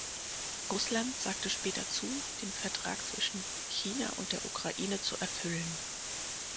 Russland sagte später zu, den Vertrag zwischen China und der Ukraine zu erfüllen.